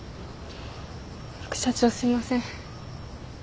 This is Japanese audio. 副社長すいません。